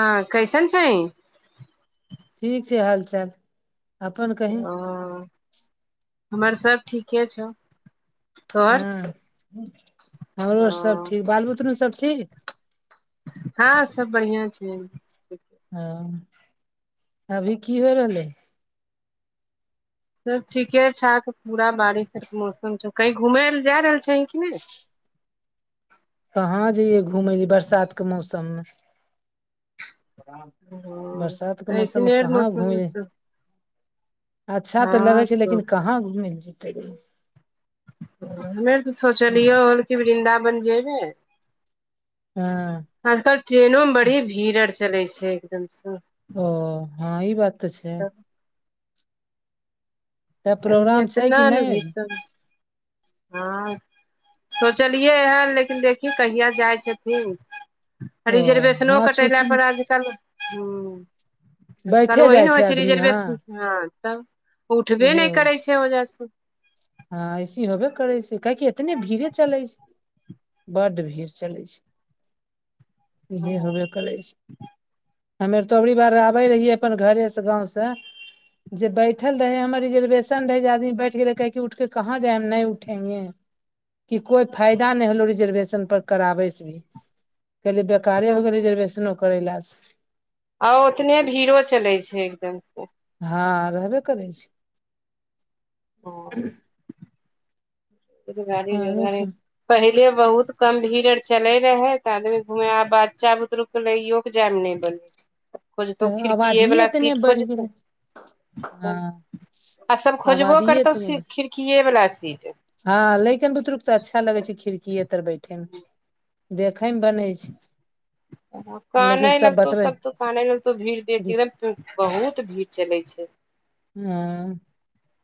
हँ, कैसन छै। ठीक छै, हालचाल। अपन कही ओ, हमर सभ ठीके छौ। तोहर हँ, हमरो सभ ठीक। बाल बुतरू सभ ठीक? हँ, सभ बढ़िया छै। हँ, अभी की हो रहलै? सभ ठीके-ठाक, पूरा बारिश आ मौसम छौ, कही घूमल जा रहल छ कि ने? [inaudible] कहाँ जइयए घुम लऽ बरसात के मौसममे। बरसातक मौसममे ऐसने आर कतऽ घुमऽ मौसम जाय? तऽ अच्छा तऽ लगै हँ छै, मुदा तो बरसातमे कहाँ घुमऽ लेल जेतै? हमे तऽ सोचलियै हल कि वृन्दा बन जेबै हँ तऽ ट्रेनो मे बड़ी भीड़ आर चलै छै एकदमसँ ओ हँ ई बात तऽ छै तऽ ह जी प्रोग्राम एतऽ छै कि नन नहि अभी भीत हँ सोचलियै हन लेकिन देखौ कहिया जाइ छथिन ओ रिजर्वेशनो हँ कटैला छुट्टी पर आजकल हूंम्म आजकल बैठे ओह जाइ ने होइ छै आदमी हँ रिजर्वेशन हँ तब उठबे इहे नहि होइ छै ओ होजार हँ ऐसे होबे करै छै काहेकि एतने भीड़े चलै छै बड्ड भीड़ चलै छै इहे हँ होबे करै छै हमेर तो अबरी बार आबे रहियै अपन घरे से गाँव से जे बैठल रहे हमर रिजर्वेशन रहय जे आदमी बैठ गेल रहे कै कि कहाँ जाय हम नहि उठेंगे कि कोइ फायदा नहि होलो रिजर्वेशन पर कराबै से कहलि व सरकारे हो गेल सब रिजर्वेशनो करै ल आ ओतने भीड़ो चलैत छै एकदमसँ हँ रहबे करै छी हँ ह [inaudible] गाड़ी रगाड़ी सुन पहिले बहुत कम भीड़ आर चले रहै आदमी घुमे आ बच्चा बुतरु के लेयो के जाय मे न बोलै छै सब खोजतौ तऽ खिड़कीए आबादिए वला एतने सीट बढ़ि खोजतौ गेलै हँ आ सब खोजबो आबादिए करतौ एतने बढ़ खिड़कीए वला सीट हँ लेकन बुतरुक तऽ अच्छा लगे छै खिड़कीे तर बैठे मे देखे मे बनै छै कहान लेकिन लगतौ बतबै सब त कहाना लगतौ भीड़ देती एकदम बहुत भीड़ चलै छै हँ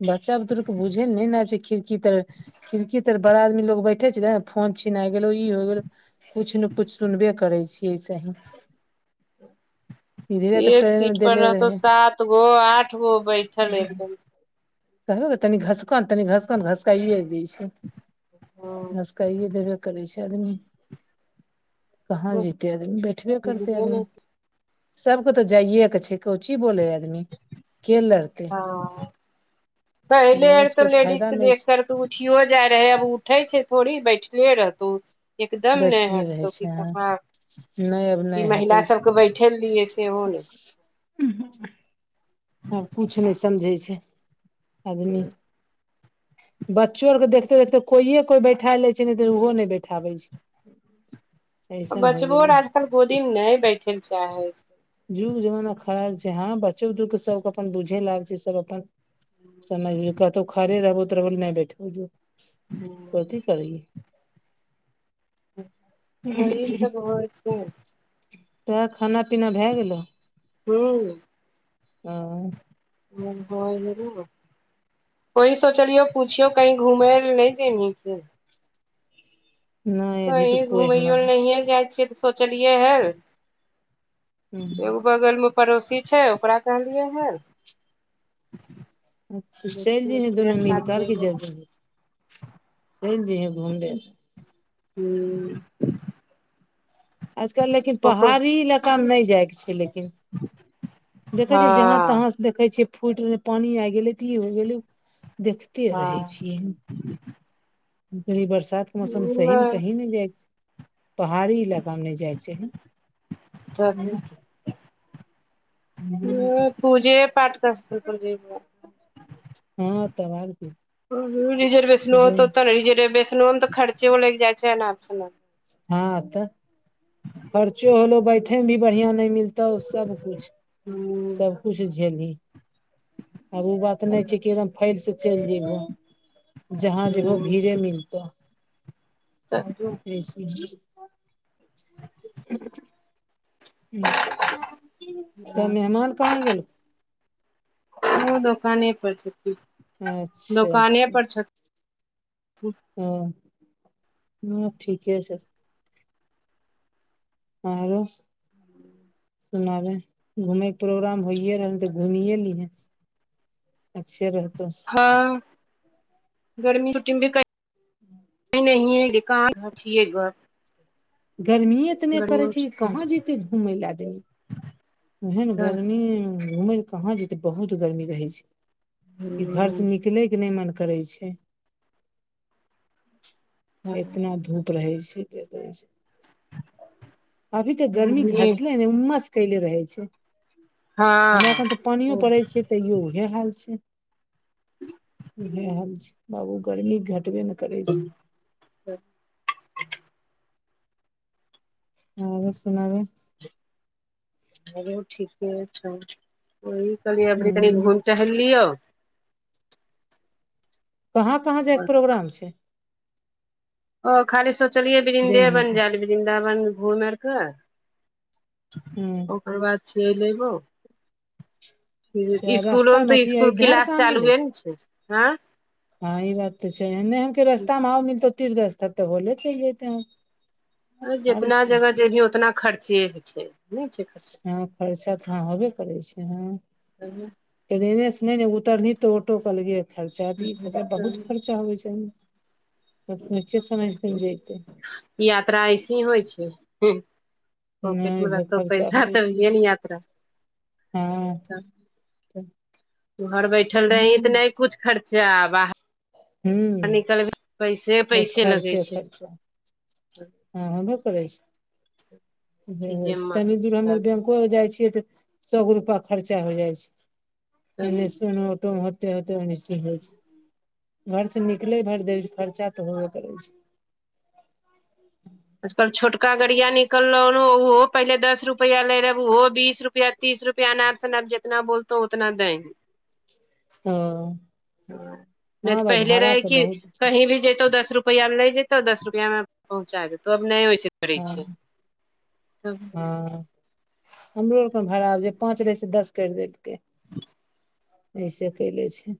बच्चा बुतुरुके बुझै नै ने आबै छै खिड़की तऽ खिड़की तर बड़ा आदमी लोग बैठे छै ने फोन छिना गेलो ई हो गेलो किछ ने किछ सुनबे करै छियै ऐसे ही इधरे तऽ एक ट्रेन मे सीट पर देले रहत रहे सात गो आठ गो बैठल एकदम कहबै तनि घसकन तनि घसकन घसकइए दै छै हँ सकाइए देबे करै छै आदमी कहाँ जीते आदमी बैठबे करते आदमी सबक तऽ जाइए के छै क ची बोले ह आदमी के लड़ते पहिल लड़े आर से तऽ कोई लेडीज फायदा नहि क छै कर तू उठियो जाय रहे आब उठे छै थोड़ी बैठले रहतौ एकदम नहि बैठले रहे हटतौ छै अहाँ नहि अब की नहि महिला हटे छै सबके बैठे चीऐ से ओ नहि आब किछु नहि समझै छै आदमी बच्चो आर के देखते देखते कोइे कोइ बैठा ले छै ओहो नहि बैठाबै छै ऐसन होइ बचबो आर गेलै आजकल गोदीमे नहि बैठे लै चाहै छै युग जमाना खराब छै हँ बच्चो के सबके अपन बुझे ल आबै छै सब अपन समझ क त खरे रबो तरबल नहि बैठे हो कथी करिय ओहि सब होइ छै तऽ खाना पीना भए गेलो हूंम्म ओ हँ होर वह सोचलियो पुछियो कही घुमे नहि जैबही के नहि अभी तऽ कहीँ कोइ घूमैयो हमर ल नहिए जाइ छियै तऽ सोचलियै हन हूंम्म एगो बगल मे पड़ोसी छै ओकरा कहलियै हँ चलि देखियौ जइहे ओकरे दुनू मिल साथ करके जेबै जै हूँ चलि जइहें घूम ले हूंम्म आजकल लेकिन ओकर पहाड़ी इलाकामे नहि जाइके छै लेकिन देखै हँ छियै जहाँ तहाँ से देखै छियै फूटि पानी आइ गेलै तऽ ई हो गेलै देखते रहै हँ छियै बरसात मौसम सही मे नहि कही नहि जाइ पहाड़ी इलाका मे नहि जायके चाही ह पूजे पाठ कसत पज हँ तब आर की रिजरवशन ओ त जाय- त रिजरवशनमे तऽ खर्च लि जाइ छै ने सु हँ तऽ खर्चो होलो बैठ ओे भी बढ़ियाँ नहि मिलतौ सब कुछ सब कुछ झेलही आब ओ बात नहि छै कि एकदम फैल से चलि जेयबहो जहाँ जेहो हूँ भीड़े मिलतौ तू [unintelligible] जस [inaudible] तऽ मेहमान कहाँ गेल उ दोकाने पर छथिन अच्छा अच्छा हँ हँ ठीके छै आरो सुनाबे घुमेै के प्रोग्राम होइे रह तऽ घुमिए लीहे अच्छे रहतौ हँ गर्मी छु्टी भी क नहि न गर्मीए तऽ नहि करड़ छै छुट्टी कहाँ जते घूमय ल दे एहन ह गर्मी घूम लऽ कहाँ जेतै बहुत गर्मी रहै छै कि घर से निकलै के नहि मन करै छै इतना धूप रहै छै एतना अभी तऽ गर्मी घटले ने उममस कले रहै छै हँ हमराखन तऽ पानियो पड़ै छै तैयो उह हाल छै उह हाल छै बाबू गर्मी घटबे ने करै छी आँ सुनाबू हरो ठीके छौ वह कनि अभरी कनि हूँ घुमि टहलि लियौ कहाँ कहाँ जायके प्रोग्राम छै ओ खाली सोचलियै जयमे वृन्देवन जायल वृन्दावन घुम आरके हूँ ओकर बाद छै लेबौ अच्छा इसकुलो मे रास्तामे तऽ अथी इसकुल धार क्लास कहाँ मिलै चालुए ने छै हँ हँ ई बात तऽ छै नहि हम रस्ता मे आउ मिलतौ तीर्थ तऽ होले चलि जते ह जितना जगह जेबही उतना खर्चे छै नहि छै खर्चा हँ खर्चा तऽ हँ होबे करै छै हँ ट्रेने से नहि ने उतरबहीं तऽ ऑटोके अलगे खर्चा त इ बहुत खर्चा होइ छै त बच्चे समझि क ने जैतै यात्रा ऐसे ही होइ छै पॉकट नहि मे भाय रहतो खर्चा पैसा होबै छै तभीए न यत्रा त [inaudible] घर बैठल रहीं तऽ नहि कुछ खर्चा आ बाहर हूँ निकलब पैसे बस पैसे लगै खर्चे छै खर्चा हँ होयबे करै छै हँ चीजे तनी दूर हमर बैंको तब जाइ छियै तऽ सगो रुपा खर्चा हो जाइ छै एनेस ओटो होते होते ओनेसे होइ छै घर से निकलै भरि देरी छै खर्चा तऽ होयबे करै छै आजकल छोटका गड़िया निकलौ हन ओहो पहिले दस रुपआ ले रहे ओहो बीस रुपआ तीस रुपआ अनाप सनाप जितना बोलतौ उतना देंगे हूंम्म नहि तऽ पहिले रहै तऽ कि बहुत छै कहीं भी जैतौ दस रुप रुपैआ मे ले जेतौ दस रुपआ मे पहुँचा देतौ अब नहि होइ छै हँ तब हँ हमरो आरकेन भारा जे पांच रहे छै दस कर देके एहिसे कयले छै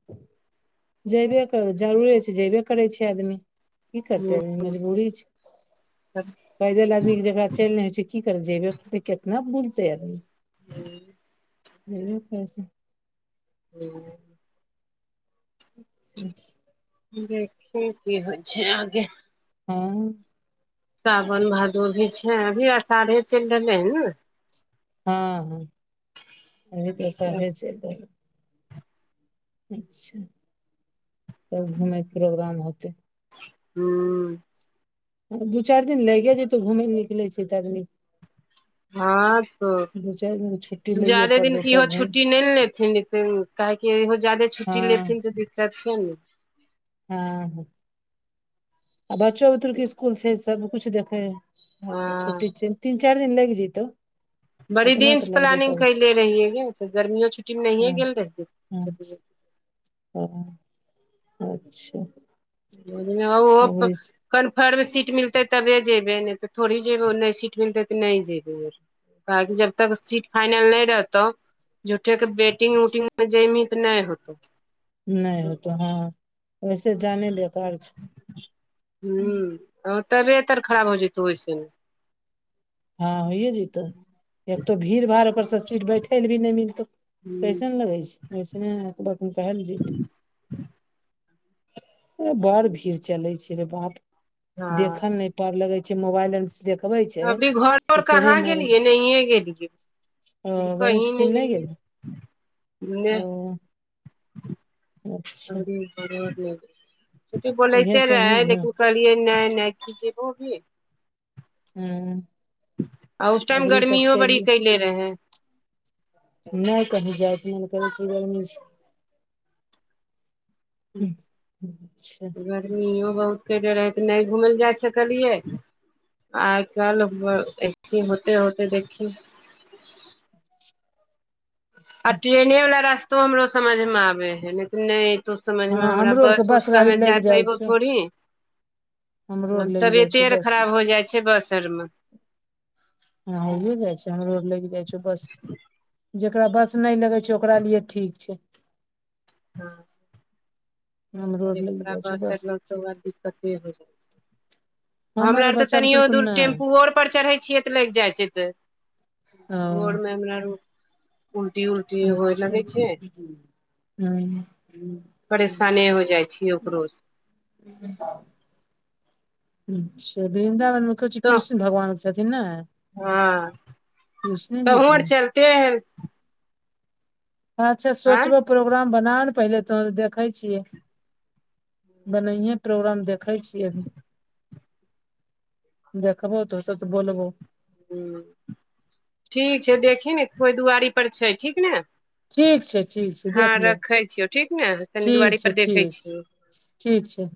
जेयबे करब जरूरे छै जेयबे करै छै आदमी की करतै आदमी मजबूरी छै ह [inaudible] पैदल आदमी के जकरा चलि नहि होइ छै की कर जेबे केितना बुलतै आदमी हूंम्म [unintelligible] कैस हूंम्म से [inaudible] देखि की होइ छै आगे हँ सावन भादो भी छै अभी अषाढ़े चलि रहलै हन ने हँ हँ कनि पैसा हो छै त अच्छा तब घुमयके प्रोग्राम होतै हम्म दू चारि दिन लागिये जेतौ घूमेय ले निकलै छै तऽ आदमी हँ दू चारि दिन छुट्टी तो लैये ज्यादे दिन पड़तौ के इहो तब घूम छुट्टी नहि ने लेथिन नै तन काहेकि इहो जायदे छुट्टी हँ लेथिन तऽ दिक्कत छै ने हँ आ बच्चो बुतरुके इसकुल छै सबकुछ देखै हँ तऽ छुट्टी छनि तीन चार दिन लागि जेतौ बड़ी दिन से प्लानिंग कले रहियै गे तऽ गर्मियो छुट्टीमे नहिए हँ गेल रहियै हँ [unintelligible] अच्छा अबरी [unintelligible] कन्फर्म सीट मिलतै तबे जयबै नहि तऽ थोड़ी जेबै ओ नहि सीट मिलतै तऽ नहि जेयबै बाकि जब तक सीट फाइनल नहि रहतौ झूठो क वेटिंग उटिंग मे जइमहीं तऽ नहि होतौ नहि ओ तऽ हँ वैसे जाने ल हूंम्म तबियत आर खराब हो जेतौ ओहिसे मे हँ होइए जैतौ एकतो भीड़ भाड़ ओकरसँ सीट बैठे ले भी नहि मिलतौ ह पैसे ने लगै छै वैस नहि ब कहल जीत बड़ भीड़ चलै छै रे बाप हँ देखल नहि पड़ लगै छै मोबाइल आर देखबे छै घरो कि आर कहाँ ट्रेन आर गेलियै नहिए गेलियै गणेश कहीं नहि ओहिठाम गेल गेलियै ने ह ओ अच्छा [unintelligible] इहे बोलेते से रहे एनहि है घुम लेकिन [unintelligible] नै नै कि जब भ हूंम्म आ उस टाइम गर्मियो बड़ी कैले रहेै नहि कहीं जायके मोन करै छै ई गरमी से अच्छा गर्मिो बहुत करे रहै तऽ नहि घुमय लए जाय सकलियै आइ काल्हि ऐसे होते होते देखे आ ट्रेने वाला रास्तो हमरो समझ मे आबै है नहि तऽ नहि तो समझमे हँ हमरा हमरो आरके बस उस से गाड़ी हमे लागि जाय जाइ पयबौ छै थोड़ी हमरो आर लागि जाइ तबियते छै आर बस खराब उस हो जाइ छै बस आरमे हँ ही जाइ छ हम रोड लगि जाइ छ बस जेकरा बस नहि लगै छै ओकरा लिए ठीक छै हँ हमरो आर लागि जेकरा जाइ छै बस त ओकरा दिक्कतें होई जाई छै हमरा हमर आर तऽ बच्चा तनियो बुतरुक दूर नहि टेम्पूओ आर पर चढ़ै छियै क लागि जाइ छै तऽ भोर ओ मे हमरा र उलटी उलटी होय अच्छा लगे छै हँ परेशाने हो पुछहीं ओकरो स अच्छा वृन्दावन मुख्य छै तऽ कृष्ण भगवान [unintelligible] ने हँ कृष्णे जी तहुँ के आर ने चलते हनि अच्छा आँ सोचबो प्रोग्राम बना ने पहिले तो देखै छियै बनाये प्रोग्राम देखै छियै अभी देख बौ त त तऽ बोलबौ हं ठीक छै देखहीं ने कोइ दुआरी पर छै ठीक ने ठीक छै ठीक छै हँ देख ले रखै छियौ ठीक ने तनि ठीक दुआरी छै पर देखे ठीक छै छियै ठीक छै